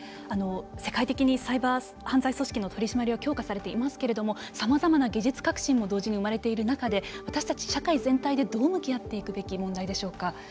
世界的にサイバー犯罪組織の取締りは強化されていますけれどもさまざまな技術革新も同時に生まれている中で私たち、社会全体でどう向き合っていくべき問題でしょうか。